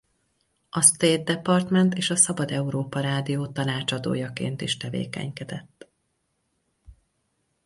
A State Department és a Szabad Európa Rádió tanácsadójaként is tevékenykedett.